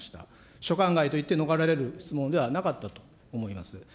所管外と言って、逃れられる質問ではなかったと思います。